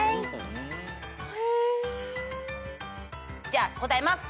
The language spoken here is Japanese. じゃあ答えます。